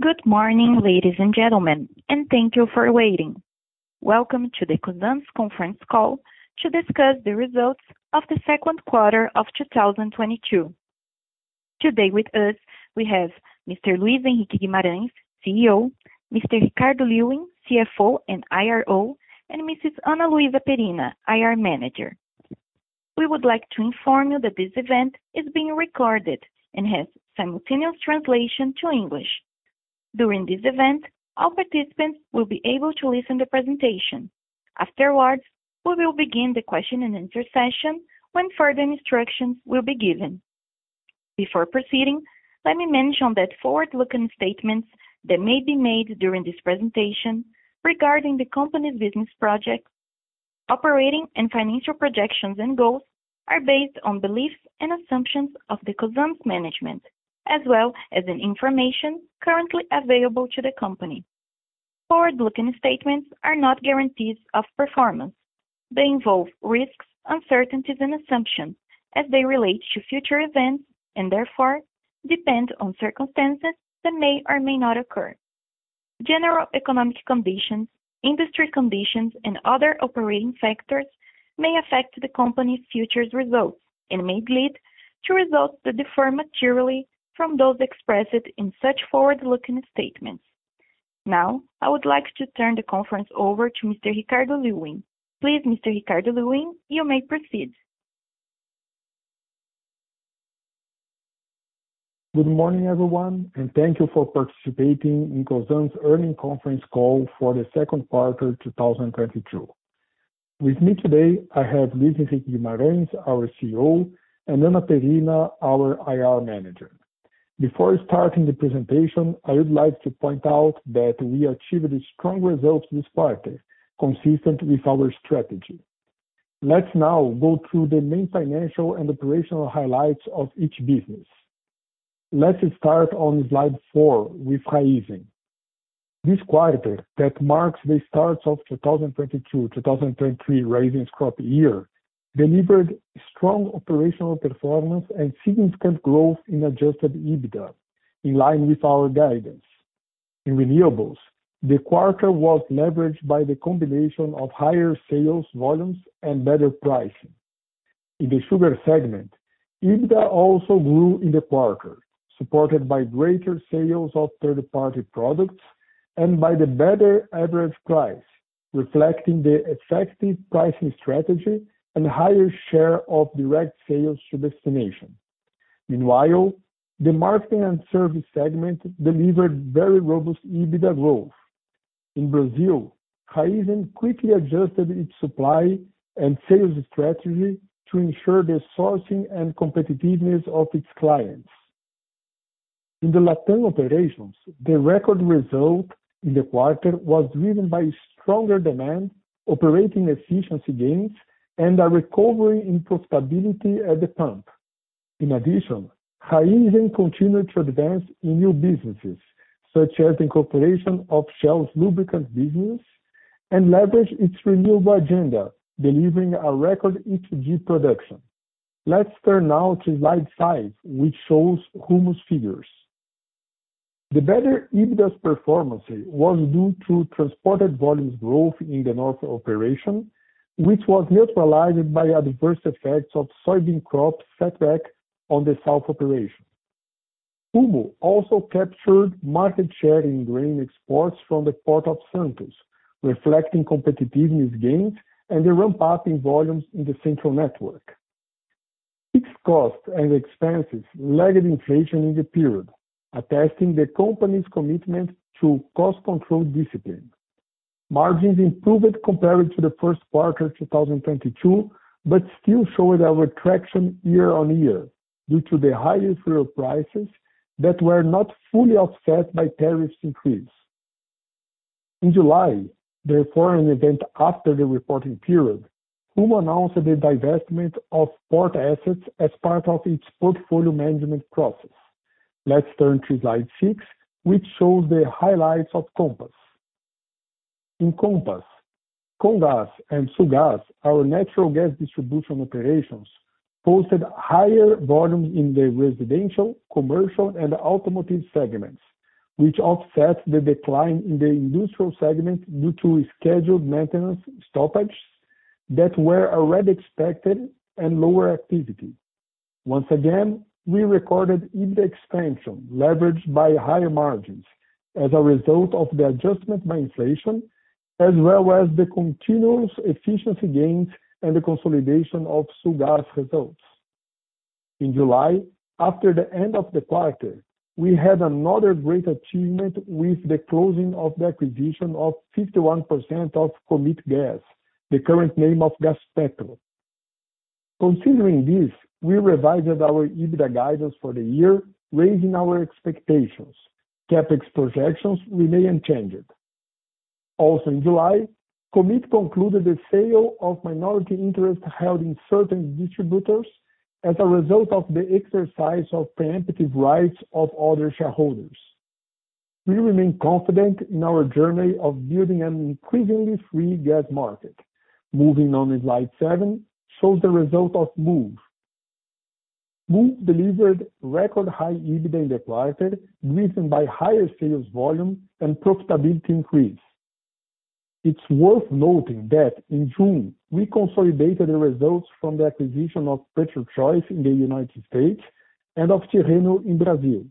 Good morning, ladies and gentlemen, and thank you for waiting. Welcome to the Cosan’s conference call to discuss the results of the second quarter of 2022. Today with us, we have Mr. Luis Henrique Guimarães, CEO, Mr. Ricardo Lewin, CFO and IRO, and Mrs. Ana Luísa Perina, IR Manager. We would like to inform you that this event is being recorded and has simultaneous translation to English. During this event, all participants will be able to listen to presentation. Afterwards, we will begin the question and answer session when further instructions will be given. Before proceeding, let me mention that forward-looking statements that may be made during this presentation regarding the company’s business prospects, operating and financial projections and goals are based on beliefs and assumptions of the Cosan’s management, as well as the information currently available to the company. Forward-looking statements are not guarantees of performance. They involve risks, uncertainties, and assumptions as they relate to future events, and therefore depend on circumstances that may or may not occur. General economic conditions, industry conditions, and other operating factors may affect the company's future results, and may lead to results that differ materially from those expressed in such forward-looking statements. Now, I would like to turn the conference over to Mr. Ricardo Lewin. Please Mr. Ricardo Lewin, you may proceed. Good morning, everyone, and thank you for participating in Cosan's earnings conference call for the second quarter 2022. With me today, I have Luís Henrique Guimarães, our CEO, and Ana Perina, our IR Manager. Before starting the presentation, I would like to point out that we achieved strong results this quarter, consistent with our strategy. Let's now go through the main financial and operational highlights of each business. Let's start on slide four with Raízen. This quarter that marks the start of 2022, 2023 crushing crop year, delivered strong operational performance and significant growth in adjusted EBITDA in line with our guidance. In renewables, the quarter was leveraged by the combination of higher sales volumes and better pricing. In the sugar segment, EBITDA also grew in the quarter, supported by greater sales of third-party products and by the better average price, reflecting the effective pricing strategy and higher share of direct sales to destination. Meanwhile, the marketing and service segment delivered very robust EBITDA growth. In Brazil, Raízen quickly adjusted its supply and sales strategy to ensure the sourcing and competitiveness of its clients. In the LatAm operations, the record result in the quarter was driven by stronger demand, operating efficiency gains, and a recovery in profitability at the pump. In addition, Raízen continued to advance in new businesses such as the incorporation of Shell's lubricants business and leverage its renewable agenda, delivering a record HTG production. Let's turn now to slide five, which shows Rumo's figures. The better EBITDA's performance was due to transported volumes growth in the north operation, which was neutralized by adverse effects of soybean crop setback on the south operation. Rumo also captured market share in grain exports from the Port of Santos, reflecting competitiveness gains and the ramp-up in volumes in the central network. Fixed cost and expenses lagged inflation in the period, attesting to the company's commitment to cost control discipline. Margins improved compared to the first quarter 2022, but still showed a retraction year-on-year due to the highest fuel prices that were not fully offset by tariffs increase. In July, therefore, an event after the reporting period, Rumo announced the divestment of port assets as part of its portfolio management process. Let's turn to slide six, which shows the highlights of Compass. In Compass, Comgás and Sulgás, our natural gas distribution operations posted higher volumes in the residential, commercial, and automotive segments, which offset the decline in the industrial segment due to scheduled maintenance stoppages that were already expected and lower activity. Once again, we recorded EBITDA expansion leveraged by higher margins as a result of the adjustment by inflation, as well as the continuous efficiency gains and the consolidation of Sulgás results. In July, after the end of the quarter, we had another great achievement with the closing of the acquisition of 51% of Commit Gás, the current name of Gaspetro. Considering this, we revised our EBITDA guidance for the year, raising our expectations. CapEx projections remain unchanged. Also in July, Commit concluded the sale of minority interest held in certain distributors as a result of the exercise of preemptive rights of other shareholders. We remain confident in our journey of building an increasingly free gas market. Moving on to slide seven shows the result of Moove. Moove delivered record high EBITDA in the quarter, driven by higher sales volume and profitability increase. It's worth noting that in June, we consolidated the results from the acquisition of PetroChoice in the United States and of Terrão in Brazil.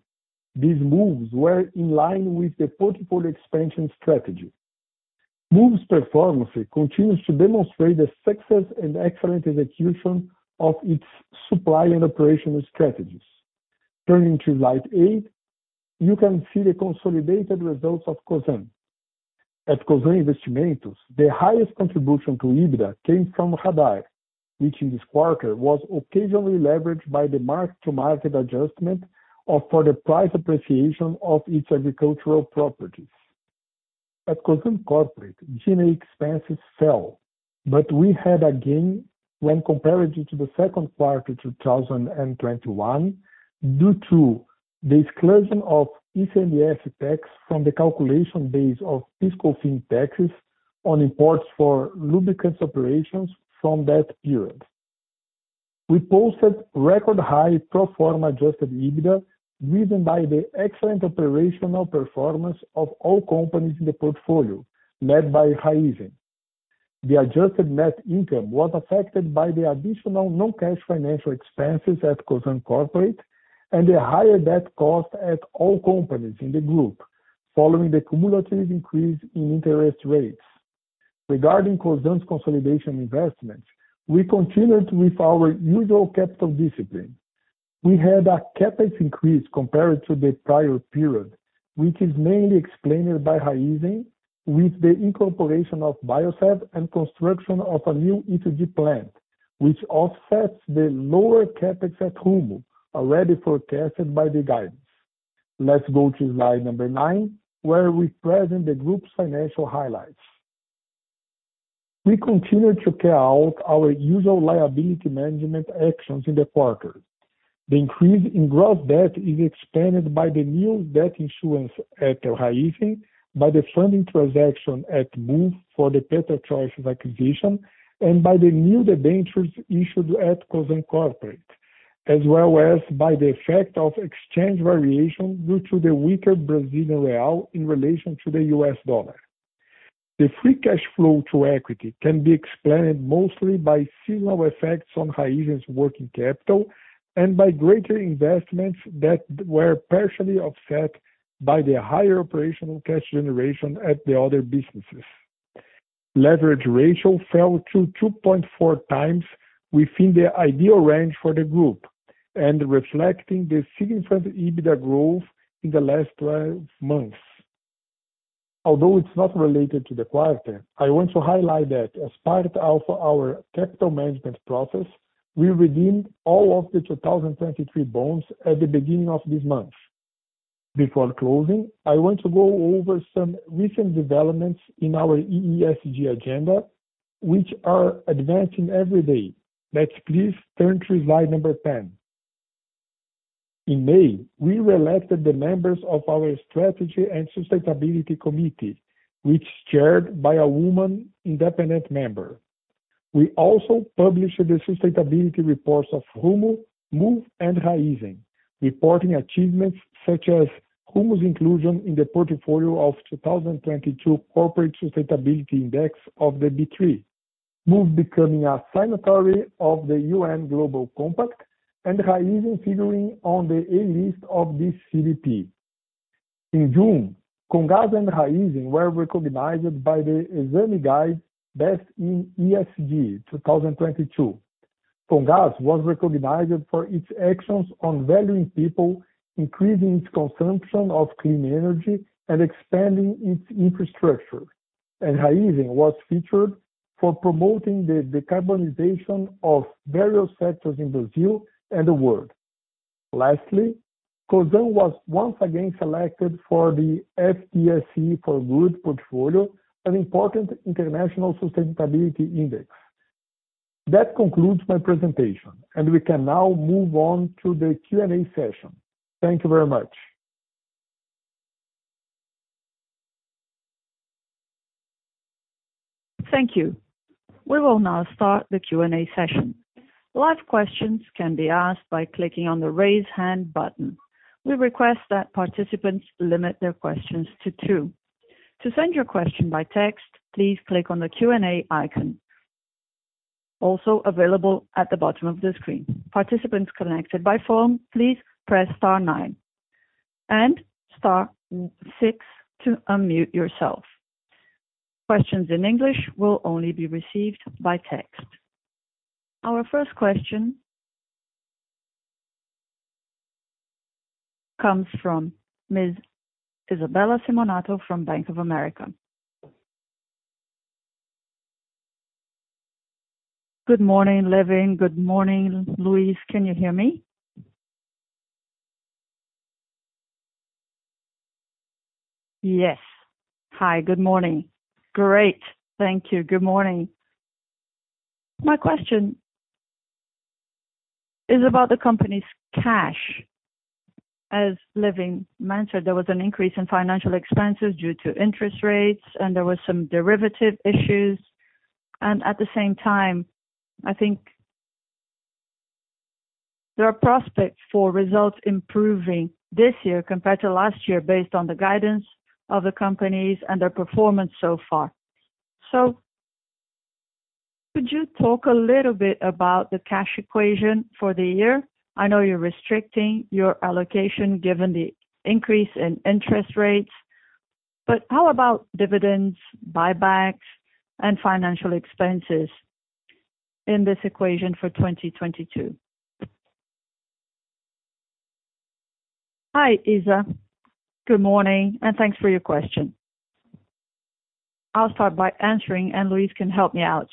These moves were in line with the portfolio expansion strategy. Moove's performance continues to demonstrate the success and excellent execution of its supply and operational strategies. Turning to slide eight, you can see the consolidated results of Cosan. At Cosan Investimentos, the highest contribution to EBITDA came from Raízen, which in this quarter was occasionally leveraged by the mark-to-market adjustment or for the price appreciation of its agricultural properties. At Cosan Corporate, general expenses fell, but we had a gain when compared to the second quarter 2021 due to the exclusion of ICMS tax from the calculation base of PIS/Cofins taxes on imports for lubricants operations from that period. We posted record high pro forma adjusted EBITDA, driven by the excellent operational performance of all companies in the portfolio, led by Raízen. The adjusted net income was affected by the additional non-cash financial expenses at Cosan Corporate and the higher debt cost at all companies in the group, following the cumulative increase in interest rates. Regarding Cosan's consolidation investments, we continued with our usual capital discipline. We had a CapEx increase compared to the prior period, which is mainly explained by Raízen with the incorporation of Biosev and construction of a new E2G plant, which offsets the lower CapEx at Rumo, already forecasted by the guidance. Let's go to slide number nine, where we present the group's financial highlights. We continue to carry out our usual liability management actions in the quarter. The increase in gross debt is explained by the new debt issuance at Raízen by the funding transaction at Moove for the PetroChoice acquisition and by the new debentures issued at Cosan Corporate, as well as by the effect of exchange variation due to the weaker Brazilian real in relation to the US dollar. The free cash flow to equity can be explained mostly by seasonal effects on Raízen's working capital and by greater investments that were partially offset by the higher operational cash generation at the other businesses. Leverage ratio fell to 2.4x within the ideal range for the group and reflecting the significant EBITDA growth in the last 12 months. Although it's not related to the quarter, I want to highlight that as part of our capital management process, we redeemed all of the 2023 bonds at the beginning of this month. Before closing, I want to go over some recent developments in our ESG agenda, which are advancing every day. Let's please turn to slide 10. In May, we reelected the members of our Strategy and Sustainability Committee, which is chaired by a woman independent member. We also published the sustainability reports of Rumo, Moove, and Raízen, reporting achievements such as Rumo's inclusion in the portfolio of 2022 Corporate Sustainability Index of the B3. Moove becoming a signatory of the UN Global Compact and Raízen figuring on the A list of the CDP. In June, Comgás and Raízen were recognized by the Exame guide Best in ESG 2022. Comgás was recognized for its actions on valuing people, increasing its consumption of clean energy, and expanding its infrastructure. Raízen was featured for promoting the decarbonization of various sectors in Brazil and the world. Lastly, Cosan was once again selected for the FTSE4Good portfolio, an important international sustainability index. That concludes my presentation, and we can now move on to the Q&A session. Thank you very much. Thank you. We will now start the Q&A session. Live questions can be asked by clicking on the Raise Hand button. We request that participants limit their questions to two. To send your question by text, please click on the Q&A icon also available at the bottom of the screen. Participants connected by phone, please press star nine and star six to unmute yourself. Questions in English will only be received by text. Our first question comes from Ms. Isabella Simonato from Bank of America. Good morning, Lewin. Good morning, Luís. Can you hear me? Yes. Hi, good morning. Great. Thank you. Good morning. My question is about the company's cash. As Lewin mentioned, there was an increase in financial expenses due to interest rates, and there was some derivatives issues. At the same time, I think there are prospects for results improving this year compared to last year based on the guidance of the companies and their performance so far. Could you talk a little bit about the cash equation for the year? I know you're restricting your allocation given the increase in interest rates, but how about dividends, buybacks, and financial expenses in this equation for 2022? Hi, Isa. Good morning, and thanks for your question. I'll start by answering, and Luis can help me out.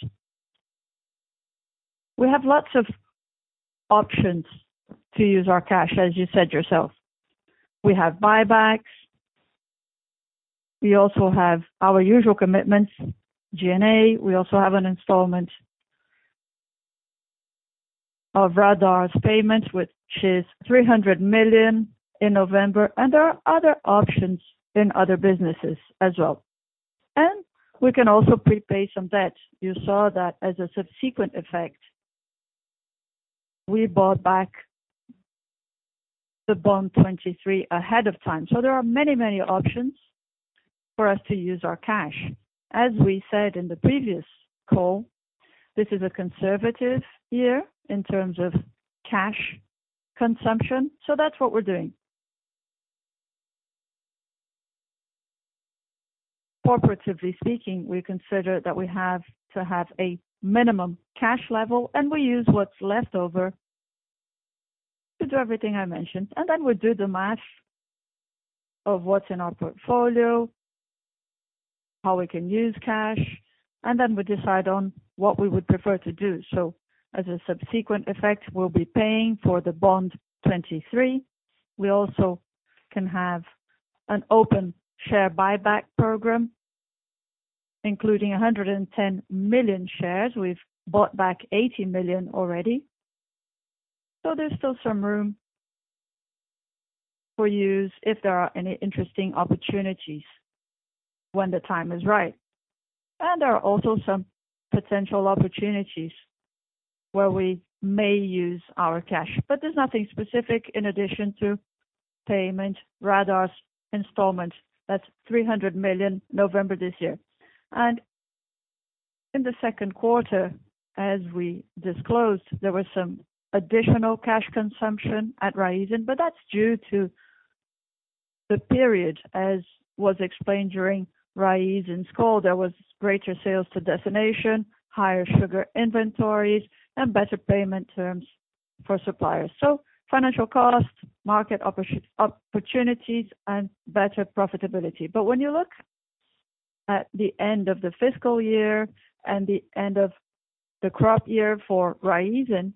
We have lots of options to use our cash, as you said yourself. We have buybacks. We also have our usual commitments, G&A. We also have an installment of Radar's payments, which is 300 million in November, and there are other options in other businesses as well. We can also prepay some debts. You saw that as a subsequent effect. We bought back the 2023 bond ahead of time. There are many, many options for us to use our cash. As we said in the previous call, this is a conservative year in terms of cash consumption. That's what we're doing. Corporatively speaking, we consider that we have to have a minimum cash level, and we use what's left over to do everything I mentioned, and then we do the math of what's in our portfolio, how we can use cash, and then we decide on what we would prefer to do. As a subsequent effect, we'll be paying for the 2023 bond. We also can have an open share buyback program, including 110 million shares. We've bought back 80 million already. There's still some room for use if there are any interesting opportunities when the time is right. There are also some potential opportunities where we may use our cash. There's nothing specific in addition to payment Radar's installments. That's 300 million November this year. In the second quarter, as we disclosed, there was some additional cash consumption at Raízen, but that's due to the period. As was explained during Raízen's call, there was greater sales to destination, higher sugar inventories, and better payment terms for suppliers. Financial costs, market opportunities, and better profitability. When you look at the end of the fiscal year and the end of the crop year for Raízen,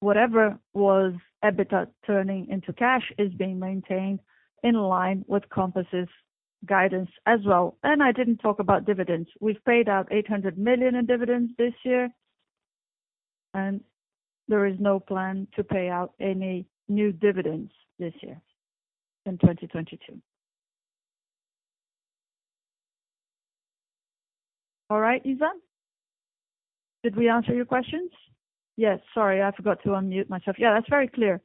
whatever was EBITDA turning into cash is being maintained in line with Compass's guidance as well. I didn't talk about dividends. We've paid out 800 million in dividends this year, and there is no plan to pay out any new dividends this year in 2022. All right, Isa, did we answer your questions? Yes. Sorry, I forgot to unmute myself. Yeah, that's very clear.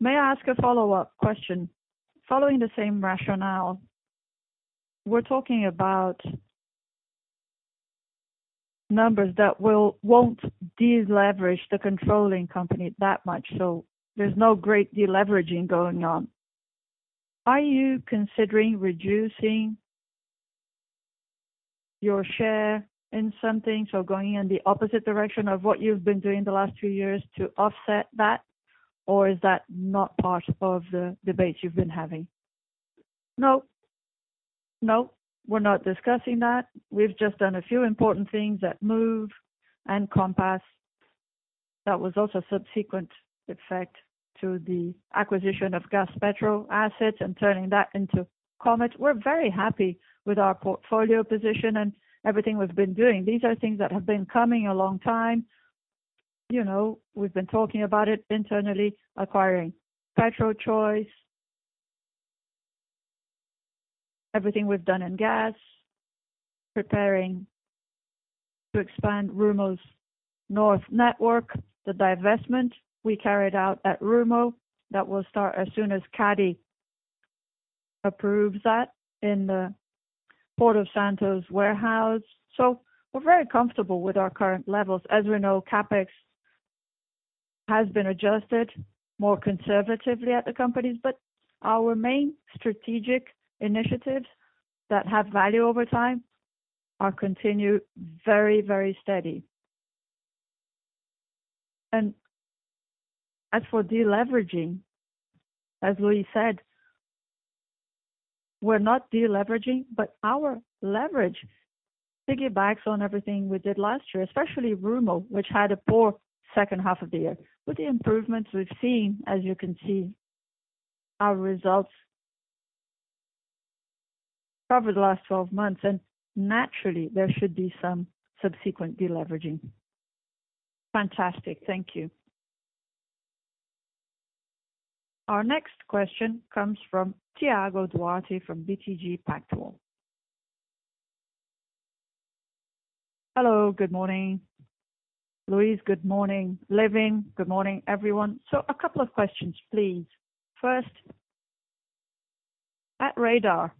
May I ask a follow-up question? Following the same rationale, we're talking about numbers that won't deleverage the controlling company that much, so there's no great deleveraging going on. Are you considering reducing your share in something, so going in the opposite direction of what you've been doing the last few years to offset that? Is that not part of the debate you've been having? No. No, we're not discussing that. We've just done a few important things at Moove and Compass. That was also subsequent effect to the acquisition of Gaspetro assets and turning that into Commit. We're very happy with our portfolio position and everything we've been doing. These are things that have been coming a long time. You know, we've been talking about it internally, acquiring PetroChoice, everything we've done in gas, preparing to expand Rumo's north network, the divestment we carried out at Rumo that will start as soon as CADE approves that in the Port of Santos warehouse. We're very comfortable with our current levels. As we know, CapEx has been adjusted more conservatively at the companies, but our main strategic initiatives that have value over time are continue very, very steady. As for deleveraging, as Luis said, we're not deleveraging, but our leverage piggybacks on everything we did last year, especially Rumo, which had a poor second half of the year. With the improvements we've seen, as you can see, our results over the last twelve months, and naturally there should be some subsequent deleveraging. Fantastic. Thank you. Our next question comes from Thiago Duarte from BTG Pactual. Hello, good morning. Luis, good morning. Lewin, good morning, everyone. So a couple of questions, please. First, at Radar,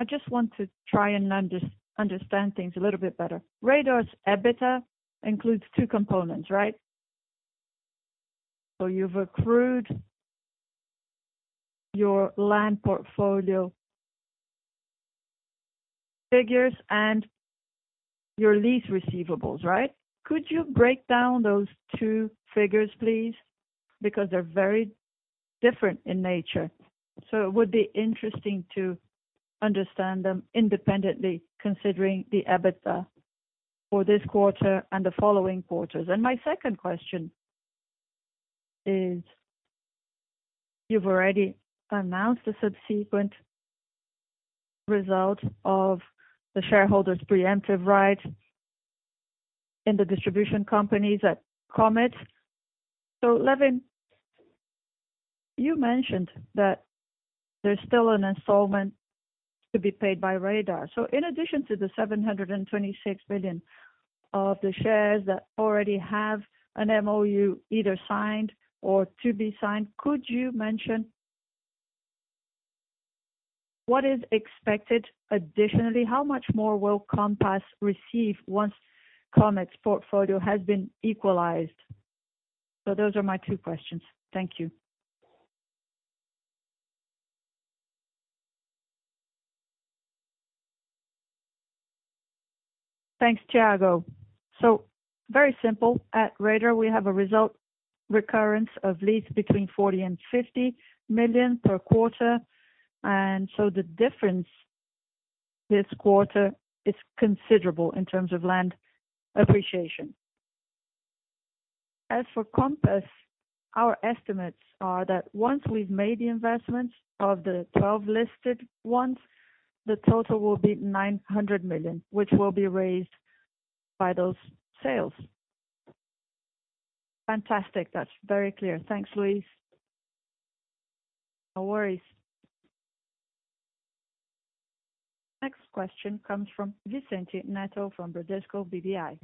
I just want to try and understand things a little bit better. Radar's EBITDA includes two components, right? So you've accrued your land portfolio figures and your lease receivables, right? Could you break down those two figures, please? Because they're very different in nature, so it would be interesting to understand them independently considering the EBITDA for this quarter and the following quarters. My second question is, you've already announced the subsequent result of the shareholders' preemptive rights in the distribution companies at Commit. Lewin, you mentioned that there's still an installment to be paid by Radar. In addition to the 726 million of the shares that already have an MOU either signed or to be signed, could you mention what is expected additionally? How much more will Compass receive once Commit's portfolio has been equalized? Those are my two questions. Thank you. Thanks, Thiago. Very simple. At Radar, we have a recurring lease revenue between 40 million and 50 million per quarter, and so the difference this quarter is considerable in terms of land appreciation. As for Compass, our estimates are that once we've made the investments of the 12 listed ones, the total will be 900 million, which will be raised by those sales. Fantastic. That's very clear. Thanks, Luis. No worries. Next question comes from Vicente Neto from Bradesco BBI.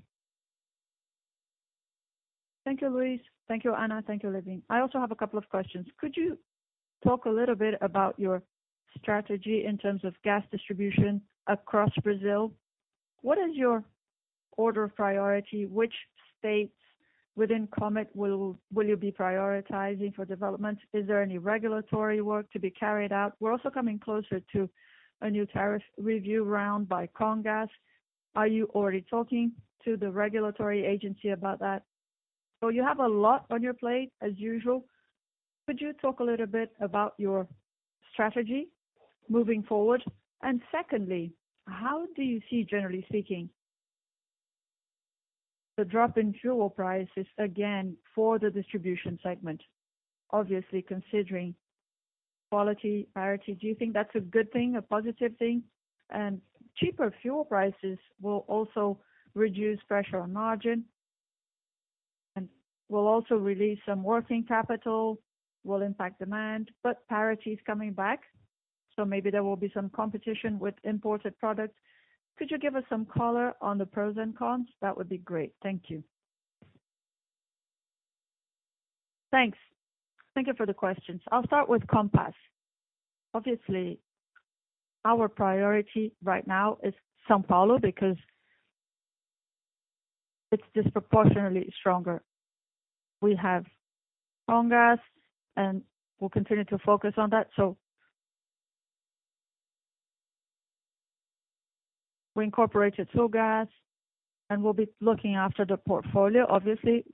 Thank you, Luis. Thank you, Ana. Thank you, Lewin. I also have a couple of questions. Could you talk a little bit about your strategy in terms of gas distribution across Brazil? What is your order of priority? Which states within Commit will you be prioritizing for development? Is there any regulatory work to be carried out? We're also coming closer to a new tariff review round by Comgás. Are you already talking to the regulatory agency about that? You have a lot on your plate, as usual. Could you talk a little bit about your strategy moving forward? Secondly, how do you see, generally speaking, the drop in fuel prices again for the distribution segment, obviously considering quality parity? Do you think that's a good thing, a positive thing? Cheaper fuel prices will also reduce pressure on margin and will also release some working capital, will impact demand, but parity is coming back, so maybe there will be some competition with imported products. Could you give us some color on the pros and cons? That would be great. Thank you. Thanks. Thank you for the questions. I'll start with Compass. Obviously, our priority right now is São Paulo because it's disproportionately stronger. We have Comgás, and we'll continue to focus on that. We incorporated Sulgás, and we'll be looking after the portfolio. Obviously,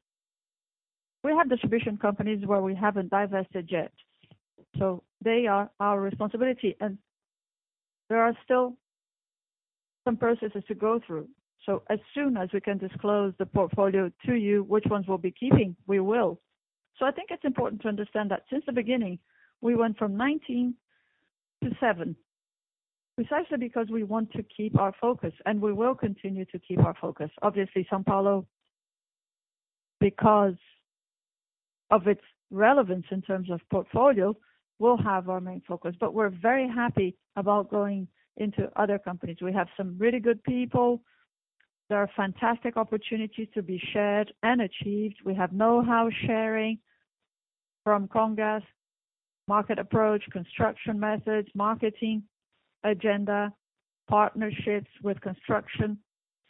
we have distribution companies where we haven't divested yet, so they are our responsibility. There are still some processes to go through. As soon as we can disclose the portfolio to you, which ones we'll be keeping, we will. I think it's important to understand that since the beginning, we went from 19 to seven, precisely because we want to keep our focus, and we will continue to keep our focus. Obviously, São Paulo, because of its relevance in terms of portfolio, will have our main focus. We're very happy about going into other companies. We have some really good people. There are fantastic opportunities to be shared and achieved. We have know-how sharing from Comgás, market approach, construction methods, marketing agenda, partnerships with construction,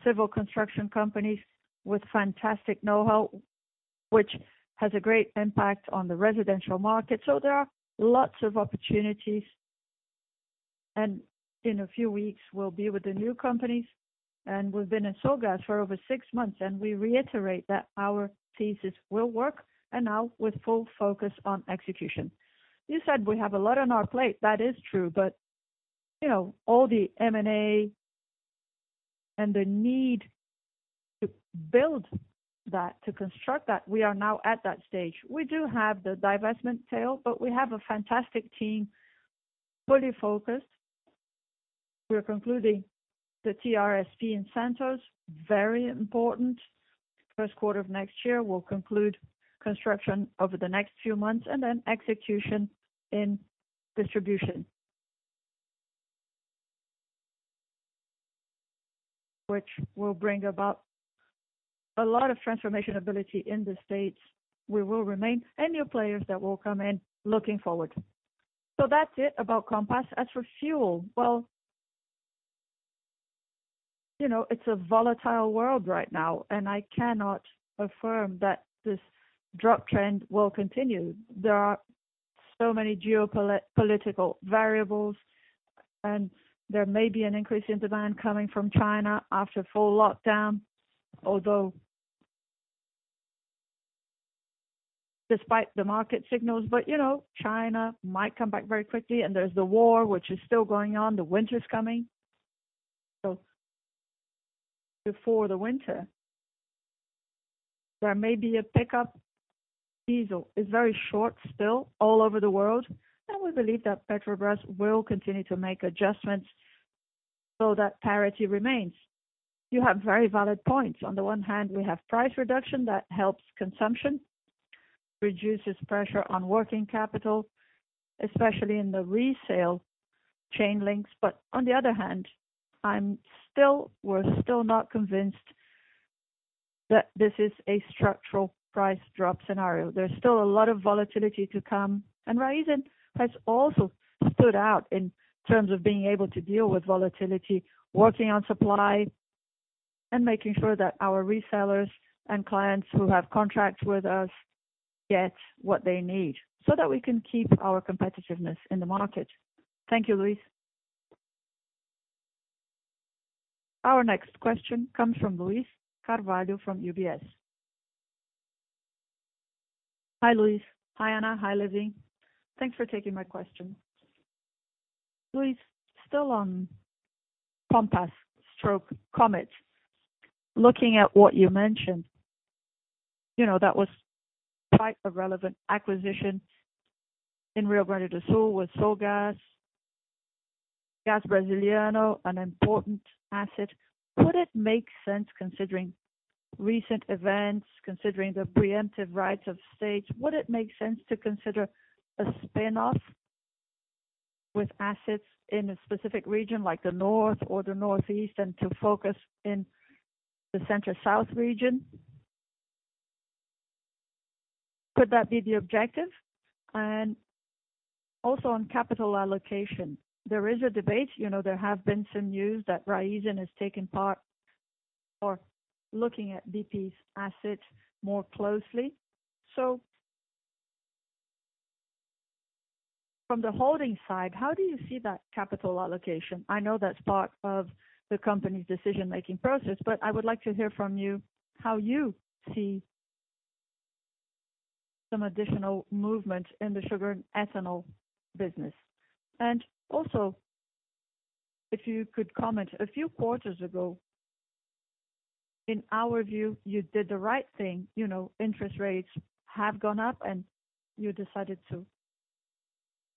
civil construction companies with fantastic know-how, which has a great impact on the residential market. There are lots of opportunities. In a few weeks, we'll be with the new companies, and we've been in Sulgás for over six months, and we reiterate that our thesis will work and now with full focus on execution. You said we have a lot on our plate. That is true. You know, all the M&A and the need to build that, to construct that, we are now at that stage. We do have the divestment tail, but we have a fantastic team, fully focused. We're concluding the TRSP in Santos, very important. First quarter of next year, we'll conclude construction over the next few months, and then execution in distribution. Which will bring about a lot of transformation ability in the states. We will remain, and new players that will come in looking forward. That's it about Compass. As for fuel, well, you know, it's a volatile world right now, and I cannot affirm that this drop trend will continue. There are so many geopolitical variables, and there may be an increase in demand coming from China after full lockdown. Although despite the market signals, but you know, China might come back very quickly, and there's the war which is still going on. The winter is coming. Before the winter, there may be a pickup. Diesel is very short still all over the world, and we believe that Petrobras will continue to make adjustments so that parity remains. You have very valid points. On the one hand, we have price reduction that helps consumption, reduces pressure on working capital, especially in the resale chain links. On the other hand, we're still not convinced that this is a structural price drop scenario. There's still a lot of volatility to come. Raízen has also stood out in terms of being able to deal with volatility, working on supply and making sure that our resellers and clients who have contracts with us get what they need so that we can keep our competitiveness in the market. Thank you, Luís. Our next question comes from Luiz Carvalho from UBS. Hi, Luís. Hi, Ana. Hi, Ricardo Lewin. Thanks for taking my questions. Luís, still on Compass/Comgás, looking at what you mentioned, you know, that was quite a relevant acquisition in Rio Grande do Sul with Sulgás, GasBrasiliano, an important asset. Would it make sense considering recent events, considering the preemptive rights of states, would it make sense to consider a spin-off with assets in a specific region like the North or the Northeast and to focus in the Central South region? Could that be the objective? Also on capital allocation, there is a debate. You know, there have been some news that Raízen has taken part or looking at BP's assets more closely. From the holding side, how do you see that capital allocation? I know that's part of the company's decision-making process, but I would like to hear from you how you see some additional movement in the sugar and ethanol business. Also, if you could comment, a few quarters ago, in our view, you did the right thing.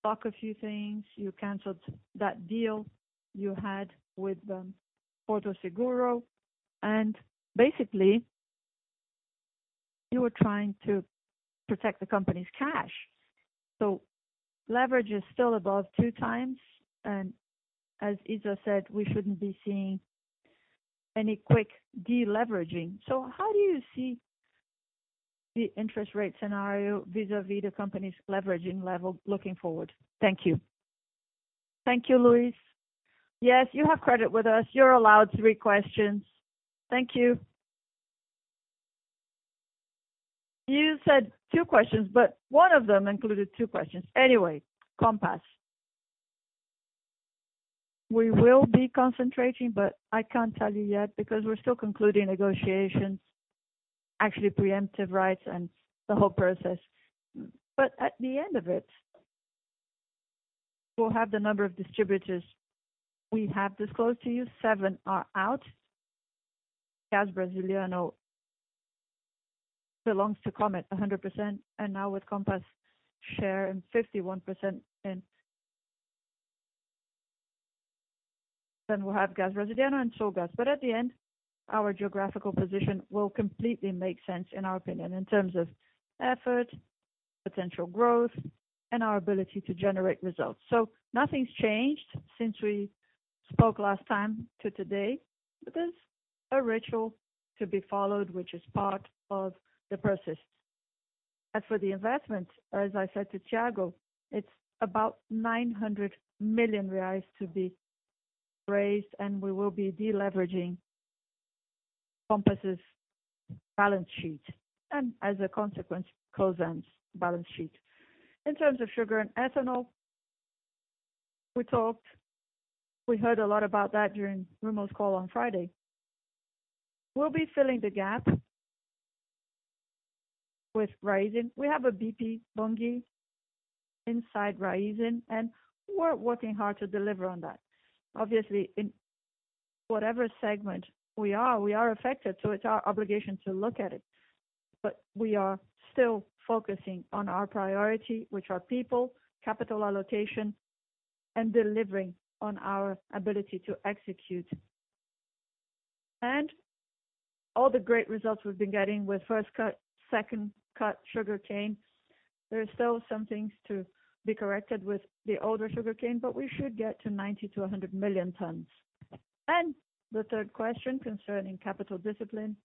You know, interest rates have gone up and you decided to walk away from a few things. You canceled that deal you had with Porto Seguro. Basically, you were trying to protect the company's cash. Leverage is still above two times. As Isa said, we shouldn't be seeing any quick deleveraging. How do you see the interest rate scenario vis-à-vis the company's leveraging level looking forward? Thank you. Thank you, Luiz. Yes, you have credit with us. You're allowed three questions. Thank you. You said two questions, but one of them included two questions. Anyway, Compass. We will be concentrating, but I can't tell you yet because we're still concluding negotiations, actually preemptive rights and the whole process. At the end of it, we'll have the number of distributors we have disclosed to you. Seven are out. GasBrasiliano belongs to Commit 100%, and now with Compass share 51% in... We'll have GasBrasiliano and Sulgás. At the end, our geographical position will completely make sense in our opinion, in terms of effort, potential growth, and our ability to generate results. Nothing's changed since we spoke last time to today. There's a ritual to be followed, which is part of the process. As for the investment, as I said to Thiago, it's about 900 million reais to be raised, and we will be deleveraging Compass' balance sheet and as a consequence, Cosan's balance sheet. In terms of sugar and ethanol, we talked, we heard a lot about that during Rumo's call on Friday. We'll be filling the gap with Raízen, we have a BP Bunge inside Raízen, and we're working hard to deliver on that. Obviously, in whatever segment we are, we are affected, so it's our obligation to look at it. We are still focusing on our priority, which are people, capital allocation, and delivering on our ability to execute. All the great results we've been getting with first cut, second cut sugarcane. There are still some things to be corrected with the older sugarcane, but we should get to 90 million tons-100 million tons. The third question concerning capital discipline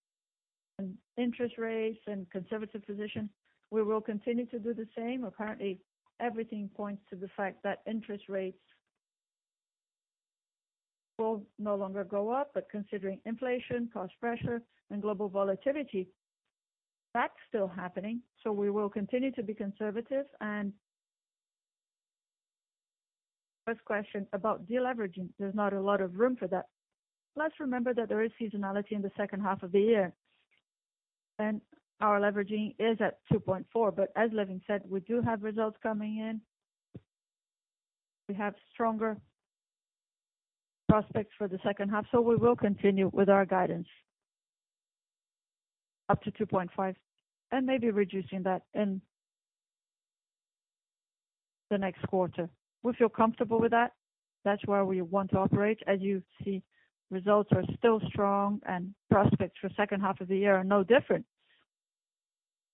and interest rates and conservative position, we will continue to do the same. Apparently, everything points to the fact that interest rates will no longer go up, but considering inflation, cost pressure and global volatility, that's still happening. We will continue to be conservative. First question about deleveraging. There's not a lot of room for that. Let's remember that there is seasonality in the second half of the year, and our leveraging is at 2.4. As Lewin said, we do have results coming in. We have stronger prospects for the second half, we will continue with our guidance up to 2.5, and maybe reducing that in the next quarter. We feel comfortable with that. That's where we want to operate. As you see, results are still strong and prospects for second half of the year are no different.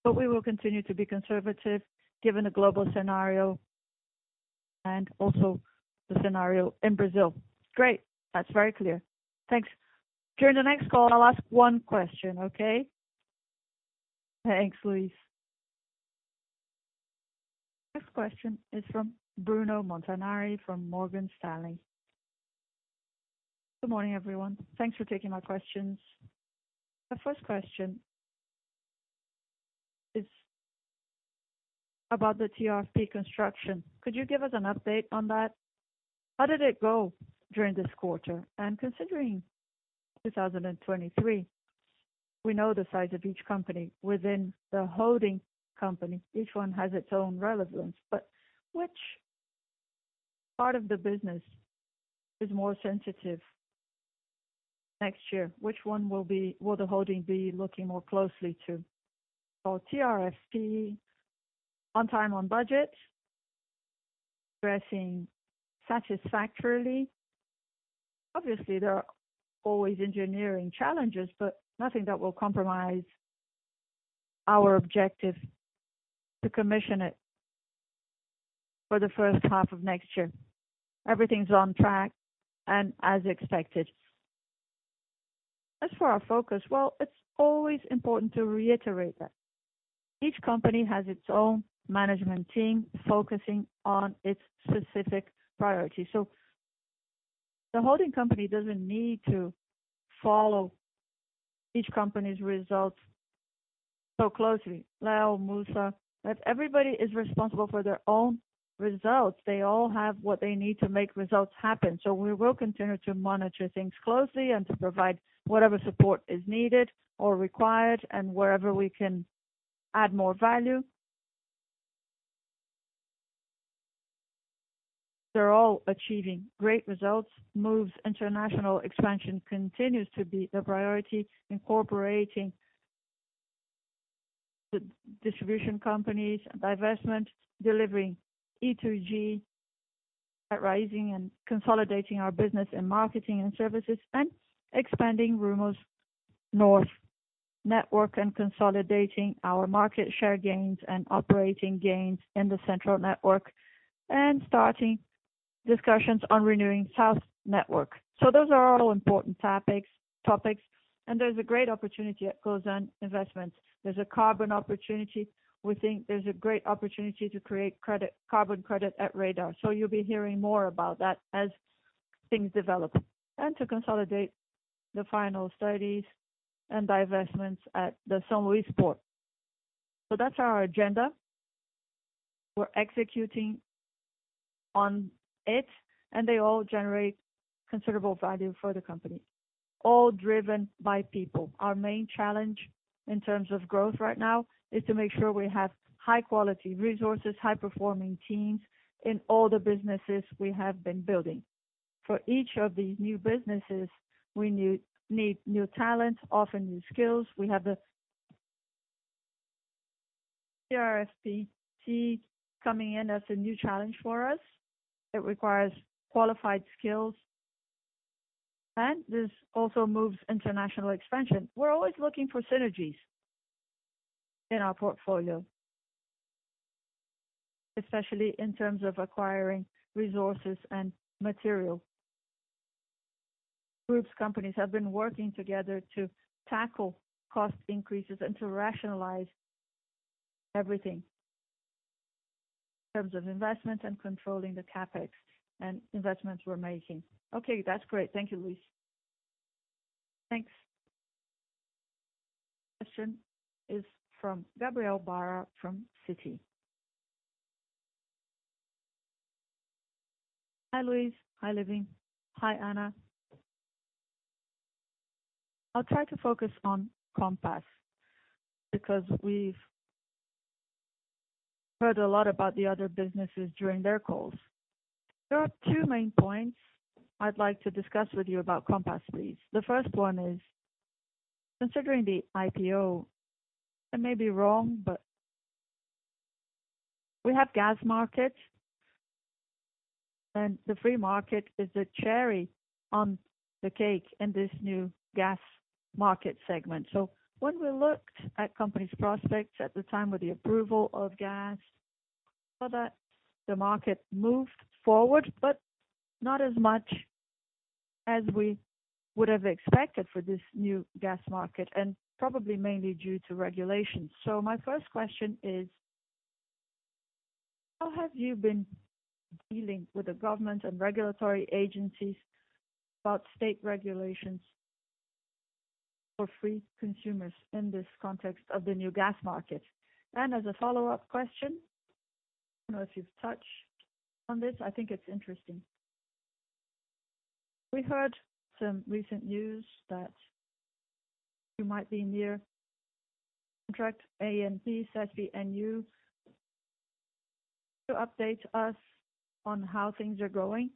We will continue to be conservative given the global scenario and also the scenario in Brazil. Great. That's very clear. Thanks. During the next call, I'll ask one question, okay? Thanks, Luíz. Next question is from Bruno Montanari from Morgan Stanley. Good morning, everyone. Thanks for taking my questions. My first question is about the TRFP construction. Could you give us an update on that? How did it go during this quarter? And considering 2023, we know the size of each company within the holding company. Each one has its own relevance, but which part of the business is more sensitive next year? Which one will the holding be looking more closely to? TRSP on time, on budget, progressing satisfactorily. Obviously, there are always engineering challenges, but nothing that will compromise our objective to commission it for the first half of next year. Everything's on track and as expected. As for our focus, well, it's always important to reiterate that each company has its own management team focusing on its specific priorities. The holding company doesn't need to follow each company's results so closely. Leo, Musa, everybody is responsible for their own results. They all have what they need to make results happen. We will continue to monitor things closely and to provide whatever support is needed or required and wherever we can add more value. They're all achieving great results. Moove's international expansion continues to be a priority, incorporating the distribution companies and divestment, delivering E2G at Raízen and consolidating our business in marketing and services, and expanding Rumo's north network and consolidating our market share gains and operating gains in the central network, and starting discussions on renewing south network. Those are all important topics, and there's a great opportunity at Cosan Investimentos. There's a carbon opportunity. We think there's a great opportunity to create carbon credit at Radar. You'll be hearing more about that as things develop. To consolidate the final studies and divestments at the São Luís port. That's our agenda. We're executing on it, and they all generate considerable value for the company, all driven by people. Our main challenge in terms of growth right now is to make sure we have high quality resources, high performing teams in all the businesses we have been building. For each of these new businesses, we need new talent, often new skills. We have the TRSP coming in as a new challenge for us. It requires qualified skills, and this also moves international expansion. We're always looking for synergies in our portfolio, especially in terms of acquiring resources and material. Group companies have been working together to tackle cost increases and to rationalize everything in terms of investment and controlling the CapEx and investments we're making. Okay, that's great. Thank you, Luis. Thanks. Question is from Gabriel Barra from Citi. Hi, Luis. Hi, Lewin. Hi, Ana. I'll try to focus on Compass because we've heard a lot about the other businesses during their calls. There are two main points I'd like to discuss with you about Compass, please. The first one is considering the IPO. I may be wrong, but we have gas markets, and the free market is the cherry on the cake in this new gas market segment. When we looked at company's prospects at the time of the approval of gas, so that the market moved forward, but not as much as we would have expected for this new gas market, and probably mainly due to regulations. My first question is, how have you been dealing with the government and regulatory agencies about state regulations for free consumers in this context of the new gas market? As a follow-up question, I don't know if you've touched on this. I think it's interesting. We heard some recent news that you might be near contract A and B, CESB and you. To update us on how things are going.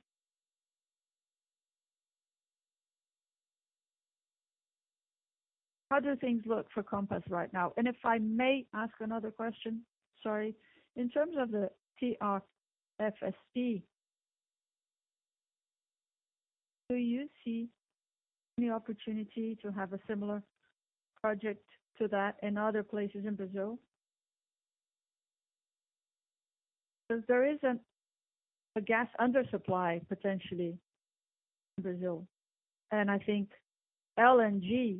How do things look for Compass right now? And if I may ask another question, sorry. In terms of the TRSP, do you see any opportunity to have a similar project to that in other places in Brazil? Because there is a gas undersupply potentially in Brazil, and I think LNG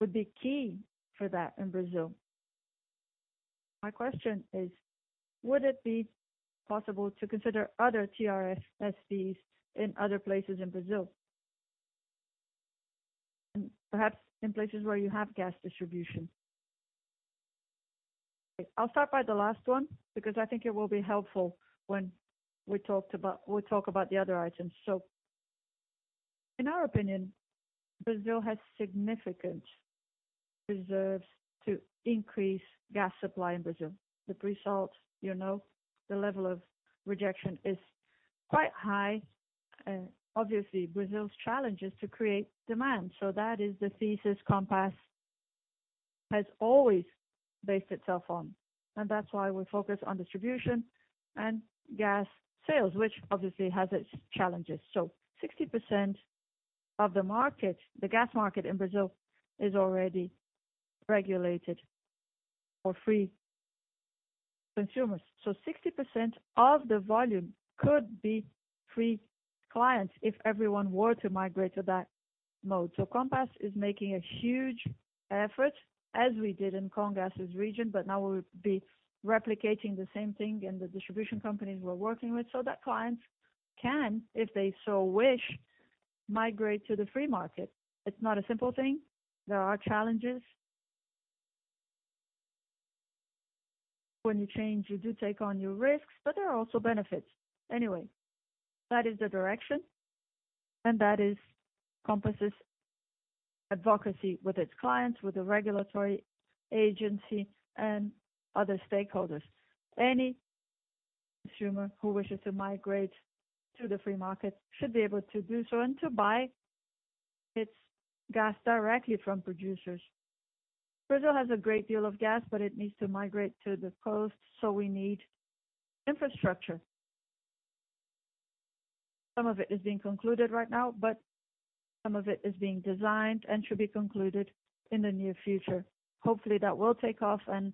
would be key for that in Brazil. My question is, would it be possible to consider other TRSPs in other places in Brazil? And perhaps in places where you have gas distribution. I'll start by the last one, because I think it will be helpful when we talk about the other items? In our opinion, Brazil has significant reserves to increase gas supply in Brazil. The pre-salt, you know, the level of rejection is quite high. Obviously, Brazil's challenge is to create demand. That is the thesis Compass has always based itself on, and that's why we focus on distribution and gas sales, which obviously has its challenges. 60% of the market, the gas market in Brazil, is already regulated for free consumers. 60% of the volume could be free clients if everyone were to migrate to that mode. Compass is making a huge effort, as we did in Comgás' region, but now we'll be replicating the same thing in the distribution companies we're working with so that clients can, if they so wish, migrate to the free market. It's not a simple thing. There are challenges. When you change, you do take on new risks, but there are also benefits. Anyway, that is the direction and that is Compass' advocacy with its clients, with the regulatory agency and other stakeholders. Any consumer who wishes to migrate to the free market should be able to do so and to buy its gas directly from producers. Brazil has a great deal of gas, but it needs to migrate to the coast, so we need infrastructure. Some of it is being concluded right now, but some of it is being designed and should be concluded in the near future. Hopefully, that will take off, and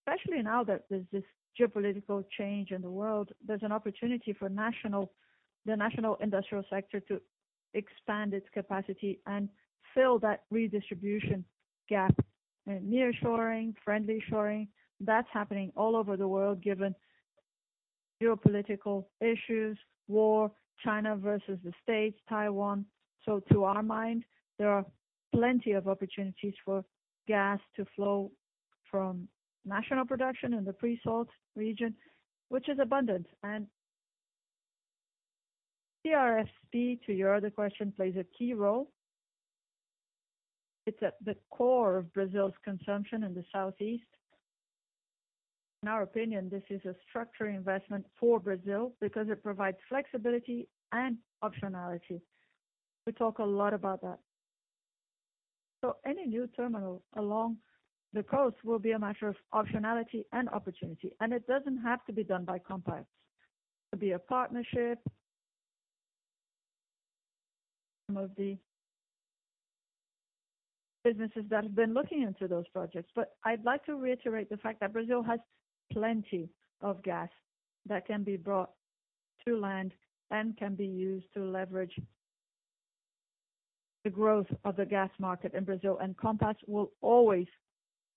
especially now that there's this geopolitical change in the world, there's an opportunity for the national industrial sector to expand its capacity and fill that redistribution gap. Nearshoring, friendshoring, that's happening all over the world, given geopolitical issues, war, China versus the States, Taiwan. To our mind, there are plenty of opportunities for gas to flow from national production in the pre-salt region, which is abundant. TRSP, to your other question, plays a key role. It's at the core of Brazil's consumption in the southeast. In our opinion, this is a structural investment for Brazil because it provides flexibility and optionality. We talk a lot about that. Any new terminal along the coast will be a matter of optionality and opportunity, and it doesn't have to be done by Compass. It could be a partnership. Some of the businesses that have been looking into those projects. I'd like to reiterate the fact that Brazil has plenty of gas that can be brought to land and can be used to leverage the growth of the gas market in Brazil. Compass will always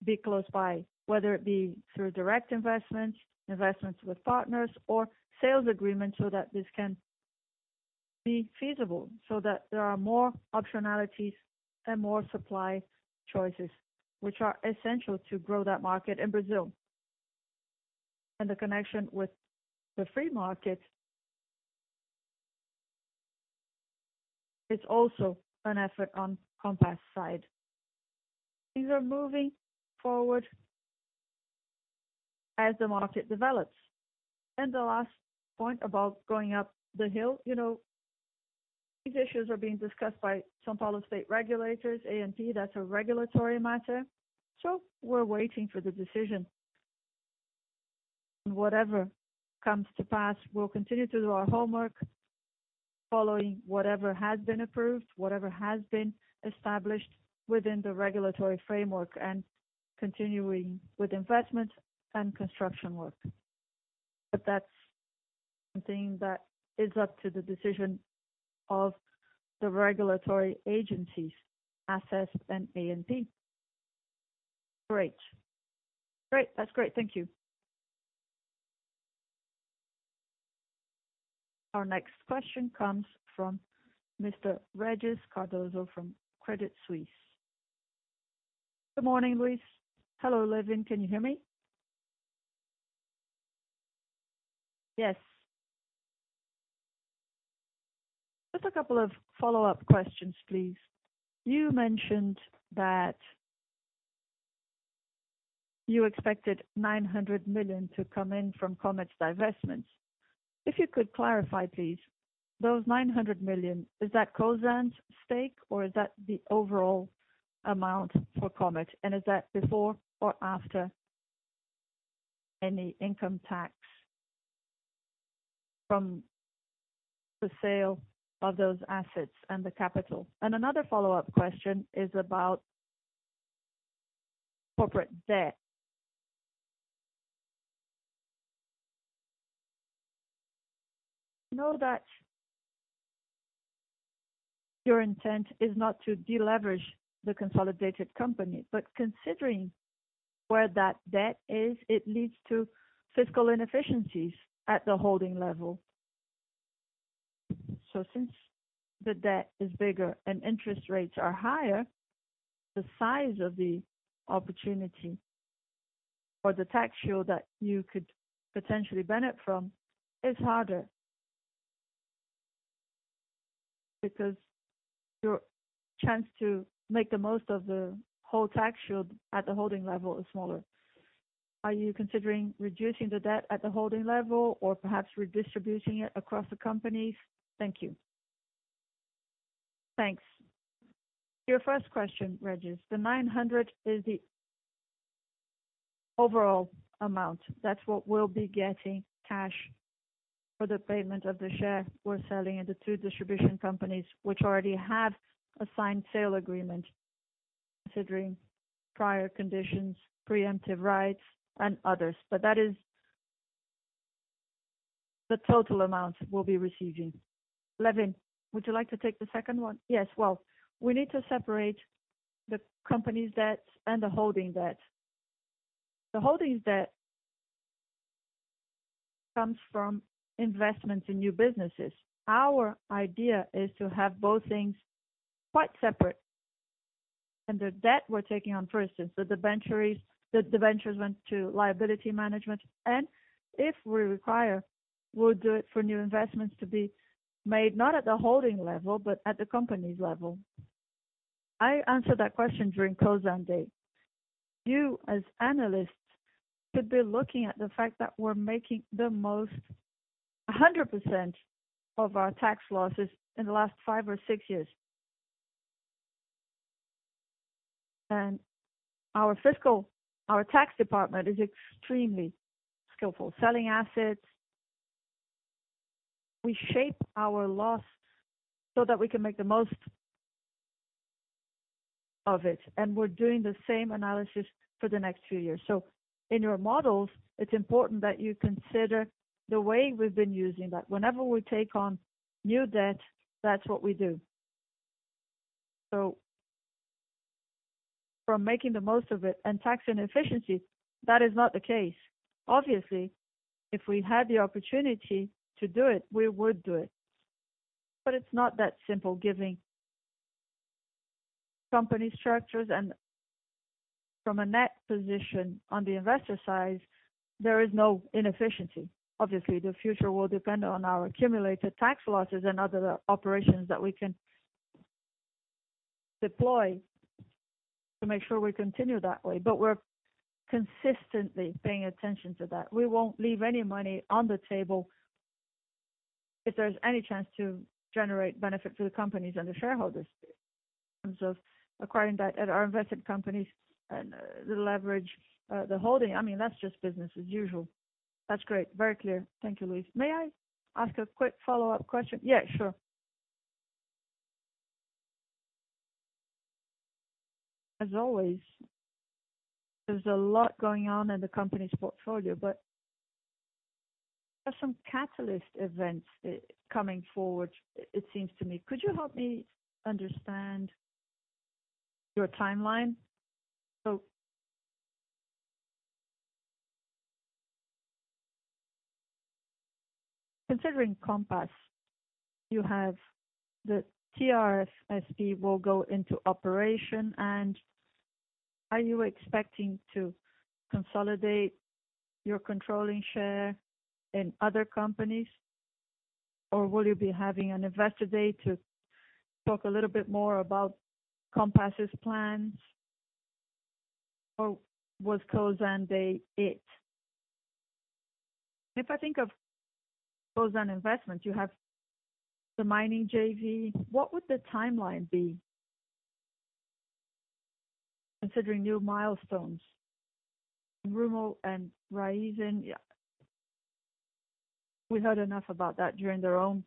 be close by, whether it be through direct investments with partners or sales agreements, so that this can be feasible so that there are more optionalities and more supply choices, which are essential to grow that market in Brazil. The connection with the free market is also an effort on Compass side. Things are moving forward as the market develops. The last point about going up the hill, you know, these issues are being discussed by São Paulo state regulators, ANP, that's a regulatory matter. We're waiting for the decision. Whatever comes to pass, we'll continue to do our homework following whatever has been approved, whatever has been established within the regulatory framework and continuing with investment and construction work. That's something that is up to the decision of the regulatory agencies, ARSESP and ANP. Great. Great. That's great. Thank you. Our next question comes from Mr. Régis Cardoso from Credit Suisse. Good morning, Luis. Hello, Lewin. Can you hear me? Yes. Just a couple of follow-up questions, please. You mentioned that you expected 900 million to come in from Commit's divestments. If you could clarify, please, those 900 million, is that Cosan's stake, or is that the overall amount for Commit? And is that before or after any income tax from the sale of those assets and the capital? And another follow-up question is about corporate debt. I know that your intent is not to deleverage the consolidated company, but considering where that debt is, it leads to fiscal inefficiencies at the holding level. Since the debt is bigger and interest rates are higher, the size of the opportunity for the tax shield that you could potentially benefit from is harder. Because your chance to make the most of the whole tax shield at the holding level is smaller. Are you considering reducing the debt at the holding level or perhaps redistributing it across the companies? Thank you. Thanks. Your first question, Régis, the 900 is the overall amount. That's what we'll be getting cash for the payment of the share we're selling at the two distribution companies, which already have a signed sale agreement considering prior conditions, preemptive rights, and others. That is the total amount we'll be receiving. Lewin, would you like to take the second one? Yes. Well, we need to separate the company's debts and the holding debt. The holding's debt comes from investments in new businesses. Our idea is to have both things quite separate. The debt we're taking on, for instance, the debentures, the debentures went to liability management. If we require, we'll do it for new investments to be made, not at the holding level, but at the company's level. I answered that question during Cosan Day. You, as analysts, should be looking at the fact that we're making the most, 100% of our tax losses in the last five or six years. Our tax department is extremely skillful. Selling assets. We shape our loss so that we can make the most of it, and we're doing the same analysis for the next few years. In your models, it's important that you consider the way we've been using that. Whenever we take on new debt, that's what we do. From making the most of it and tax inefficiency, that is not the case. Obviously, if we had the opportunity to do it, we would do it. It's not that simple giving company structures. From a net position on the investor side, there is no inefficiency. Obviously, the future will depend on our accumulated tax losses and other operations that we can deploy to make sure we continue that way. We're consistently paying attention to that. We won't leave any money on the table if there's any chance to generate benefit for the companies and the shareholders in terms of acquiring debt at our investment companies and the leverage, the holding. I mean, that's just business as usual. That's great. Very clear. Thank you, Luis. May I ask a quick follow-up question? Yeah, sure. As always, there's a lot going on in the company's portfolio, but there's some catalyst events coming forward, it seems to me. Could you help me understand your timeline? Considering Compass, you have the TRSP will go into operation. Are you expecting to consolidate your controlling share in other companies? Or will you be having an investor day to talk a little bit more about Compass's plans? Or was Cosan Day it? If I think of Cosan investment, you have the mining JV. What would the timeline be considering new milestones? Rumo and Raízen, yeah, we heard enough about that during their own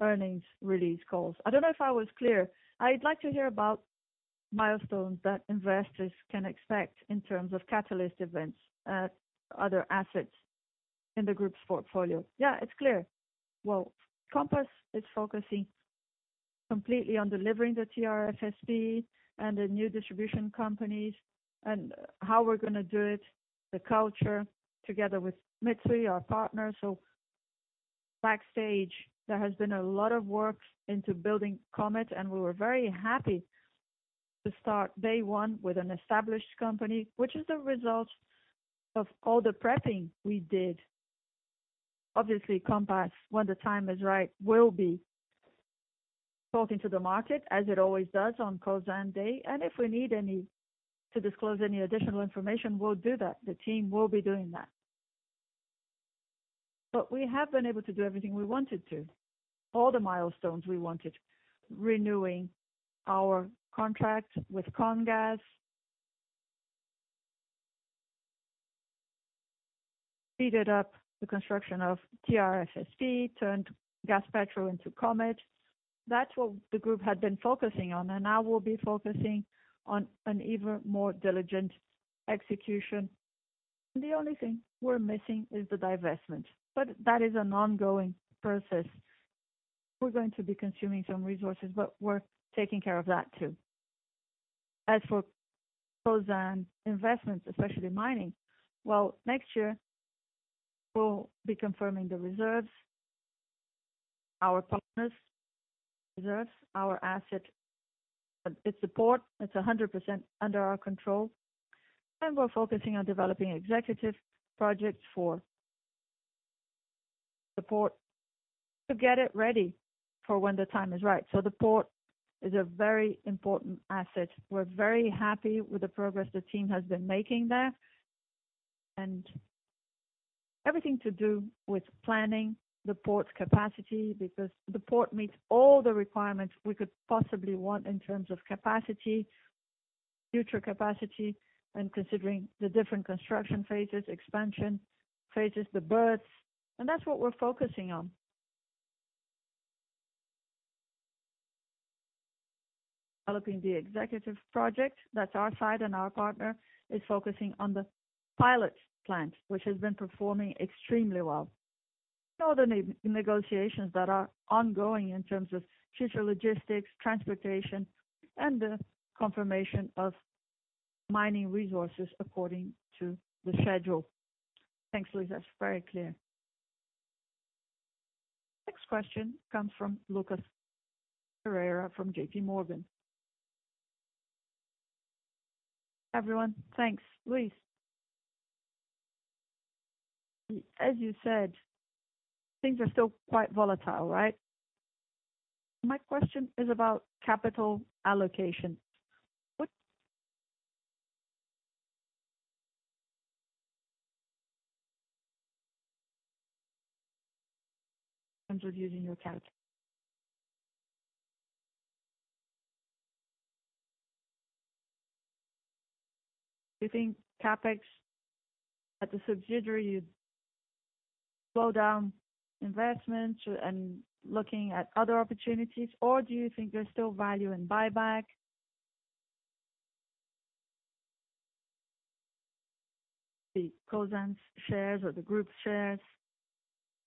earnings release calls. I don't know if I was clear. I'd like to hear about milestones that investors can expect in terms of catalyst events, other assets in the group's portfolio. Yeah, it's clear. Well, Compass is focusing completely on delivering the TRSP and the new distribution companies and how we're gonna do it, the culture together with Mitsui, our partner. Backstage, there has been a lot of work into building Commit, and we were very happy to start day one with an established company, which is the result of all the prepping we did. Obviously, Compass, when the time is right, will be talking to the market as it always does on Cosan Day. If we need to disclose any additional information, we'll do that. The team will be doing that. We have been able to do everything we wanted to, all the milestones we wanted, renewing our contract with Comgás. Speeded up the construction of TRSP, turned Gaspetro into Commit. That's what the group had been focusing on, and now we'll be focusing on an even more diligent execution. The only thing we're missing is the divestment, but that is an ongoing process. We're going to be consuming some resources, but we're taking care of that, too. As for Cosan investments, especially mining, well, next year, we'll be confirming the reserves, our partners reserves, our asset, its support. It's 100% under our control, and we're focusing on developing executive projects for the port to get it ready for when the time is right. The port is a very important asset. We're very happy with the progress the team has been making there. Everything to do with planning the port's capacity because the port meets all the requirements we could possibly want in terms of capacity, future capacity, and considering the different construction phases, expansion phases, the berths. That's what we're focusing on. Developing the executive project, that's our side, and our partner is focusing on the pilot plant, which has been performing extremely well. The negotiations that are ongoing in terms of future logistics, transportation, and the confirmation of mining resources according to the schedule. Thanks, Luis. That's very clear. Next question comes from Lucas Ferreira from JPMorgan. Everyone, thanks. Luis, as you said, things are still quite volatile, right? My question is about capital allocation. What in terms of using your capital. Do you think CapEx at the subsidiary slow down investments and looking at other opportunities, or do you think there's still value in buyback? The Cosan's shares or the group's shares.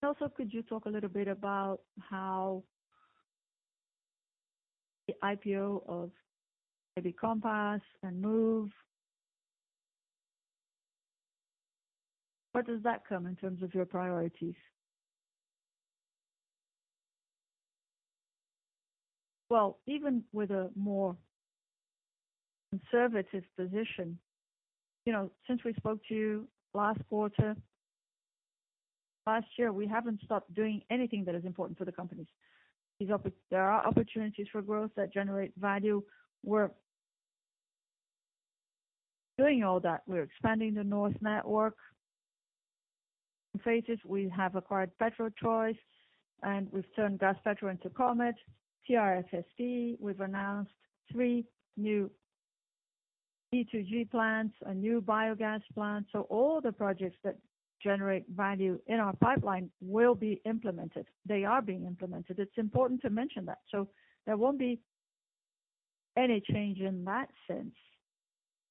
Also, could you talk a little bit about how the IPO of maybe Compass and Moove. Where does that come in terms of your priorities? Well, even with a more conservative position, you know, since we spoke to you last quarter, last year, we haven't stopped doing anything that is important for the companies. There are opportunities for growth that generate value. We're doing all that. We're expanding the North network in phases. We have acquired PetroChoice, and we've turned Gaspetro into Compass, TRSP. We've announced three new E2G plants, a new biogas plant. All the projects that generate value in our pipeline will be implemented. They are being implemented. It's important to mention that. There won't be any change in that sense.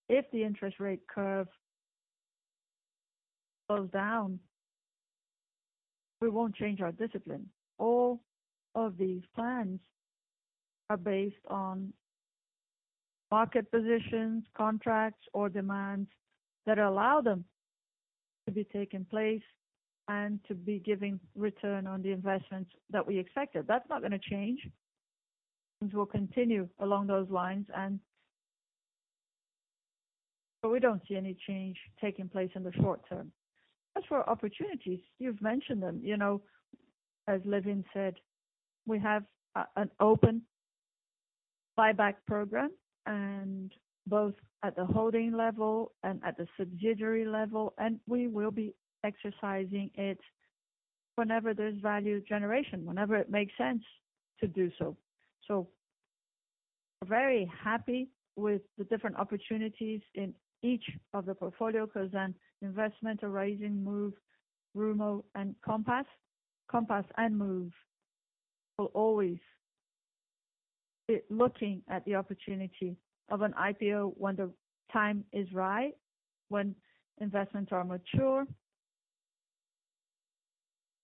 If the interest rate curve goes down, we won't change our discipline. All of these plans are based on market positions, contracts or demands that allow them to be taking place and to be giving return on the investments that we expected. That's not gonna change. Things will continue along those lines. We don't see any change taking place in the short term. As for opportunities, you've mentioned them. You know, as Lewin said, we have an open buyback program and both at the holding level and at the subsidiary level, and we will be exercising it whenever there's value generation, whenever it makes sense to do so. We're very happy with the different opportunities in each of the portfolio, because they're investments in Moove, Rumo, and Compass. Compass and Moove will always be looking at the opportunity of an IPO when the time is right, when investments are mature.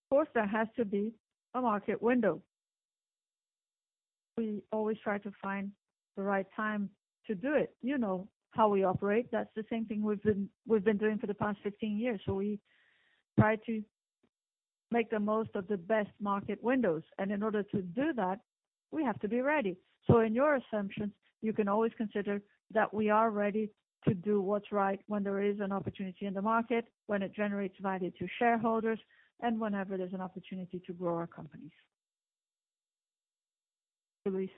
Of course, there has to be a market window. We always try to find the right time to do it. You know how we operate. That's the same thing we've been doing for the past 15 years. We try to make the most of the best market windows, and in order to do that, we have to be ready. In your assumptions, you can always consider that we are ready to do what's right when there is an opportunity in the market, when it generates value to shareholders, and whenever there's an opportunity to grow our companies. Luis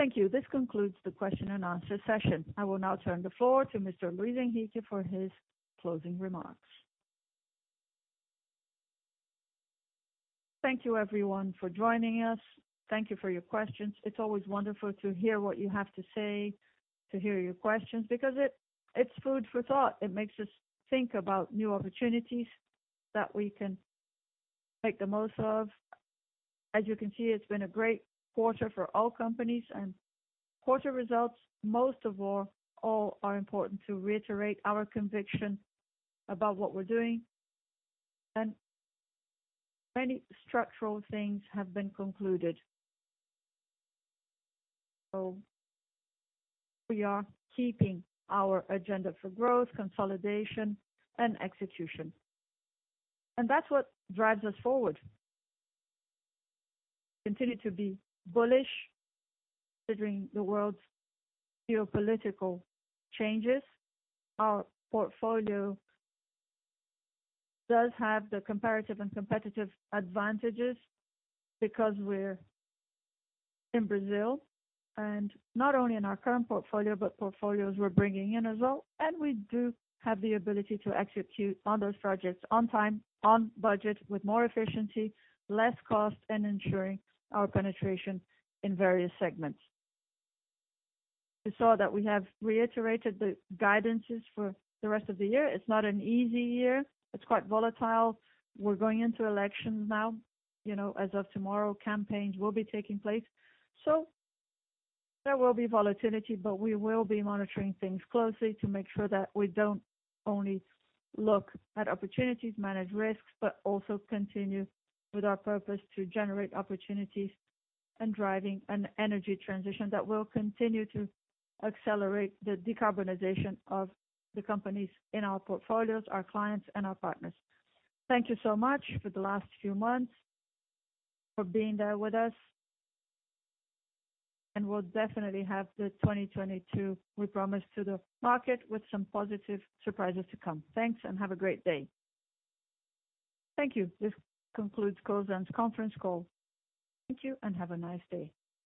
Henrique. Thank you. This concludes the question and answer session. I will now turn the floor to Mr. Luis Henrique Guimarães for his closing remarks. Thank you everyone for joining us. Thank you for your questions. It's always wonderful to hear what you have to say, to hear your questions, because it's food for thought. It makes us think about new opportunities that we can make the most of. As you can see, it's been a great quarter for all companies and quarter results. Most of all are important to reiterate our conviction about what we're doing. Many structural things have been concluded. We are keeping our agenda for growth, consolidation, and execution. That's what drives us forward. Continue to be bullish considering the world's geopolitical changes. Our portfolio does have the comparative advantages because we're in Brazil, and not only in our current portfolio, but portfolios we're bringing in as well. We do have the ability to execute on those projects on time, on budget, with more efficiency, less cost, and ensuring our penetration in various segments. You saw that we have reiterated the guidances for the rest of the year. It's not an easy year. It's quite volatile. We're going into election now. You know, as of tomorrow, campaigns will be taking place. There will be volatility, but we will be monitoring things closely to make sure that we don't only look at opportunities, manage risks, but also continue with our purpose to generate opportunities and driving an energy transition that will continue to accelerate the decarbonization of the companies in our portfolios, our clients, and our partners. Thank you so much for the last few months for being there with us. We'll definitely have the 2022 we promised to the market with some positive surprises to come. Thanks, and have a great day. Thank you. This concludes Cosan's conference call. Thank you and have a nice day.